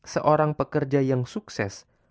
seorang pekerja yang sukses